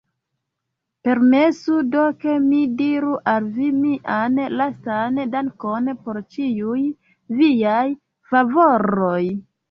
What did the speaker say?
Permesu do, ke mi diru al vi mian lastan dankon por ĉiuj viaj favoroj!